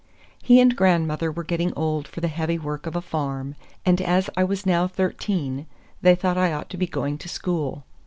He and grandmother were getting old for the heavy work of a farm, and as I was now thirteen they thought I ought to be going to school.